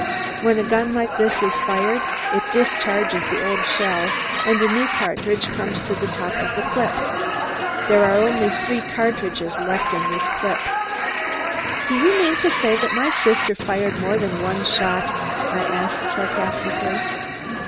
When a gun like this is fired, it discharges the old shell and a new cartridge comes to the top of the clip. There are only three cartridges left in this clip." "Do you mean to say that my sister fired more than one shot?" I asked sarcastically.